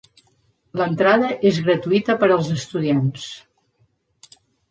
L'entrada és gratuïta per als estudiants.